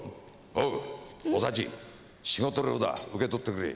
おうお幸仕事料だ受け取ってくれ。